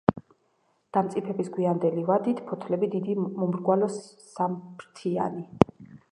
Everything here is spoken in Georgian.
დამწიფების გვიანდელი ვადით ფოთლები დიდი მომრგვალო, სამფრთიანი.